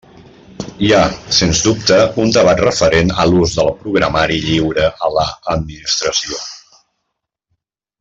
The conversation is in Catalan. Hi ha, sens dubte, un debat referent a l'ús del programari lliure en l'administració.